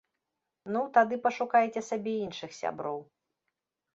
Ну, тады пашукайце сабе іншых сяброў!